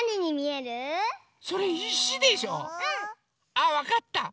あわかった！